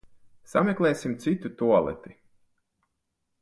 Sameklēsim citu tualeti.